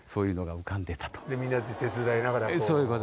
みんなで手伝いながら。